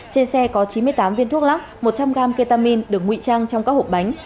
trên xe có chín mươi tám viên thuốc lắc một trăm linh gram ketamine được nguy trang trong các hộp bánh